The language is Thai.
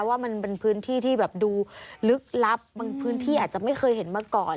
ว่ามันเป็นพื้นที่ที่แบบดูลึกลับบางพื้นที่อาจจะไม่เคยเห็นมาก่อน